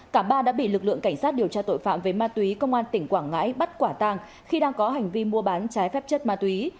cả ba đã bị lực lượng cảnh sát điều tra tội phạm về ma túy công an tỉnh quảng ngãi bắt quả tàng khi đang có hành vi mua bán trái phép chất ma túy